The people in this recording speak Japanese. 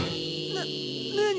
な何？